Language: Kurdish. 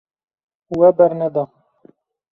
We berneda.